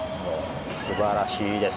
素晴らしいです！